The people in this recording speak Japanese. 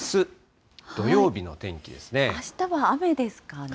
あしたは雨ですかね。